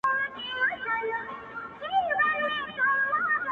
شپه د کال او د پېړۍ په څېر اوږده وای.!